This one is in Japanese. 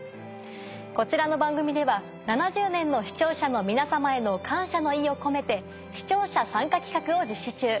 こちらの番組では７０年の視聴者の皆さまへの感謝の意を込めて視聴者参加企画を実施中。